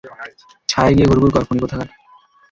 ছায়ায় গিয়ে ঘুরঘুর কর, খুনি কোথাকার।